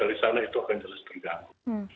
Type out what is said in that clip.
dari sana itu akan jelas terganggu